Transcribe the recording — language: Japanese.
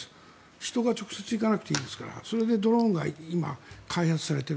人が直接行かなくていいんですからそれでドローンが今、開発されている。